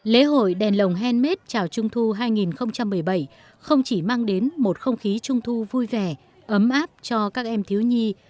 lễ hội đèn lồng handmade chào trung thu hai nghìn một mươi bảy không chỉ mang đến một không khí trung thu vui vẻ ấm áp cho các em thiếu nhi